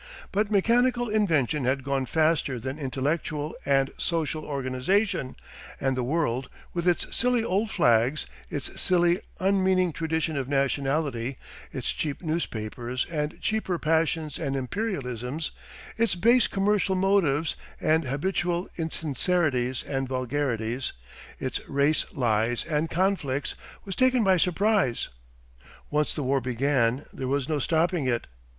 But mechanical invention had gone faster than intellectual and social organisation, and the world, with its silly old flags, its silly unmeaning tradition of nationality, its cheap newspapers and cheaper passions and imperialisms, its base commercial motives and habitual insincerities and vulgarities, its race lies and conflicts, was taken by surprise. Once the war began there was no stopping it.